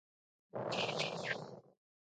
تاریخ د قوم د ودې پل دی.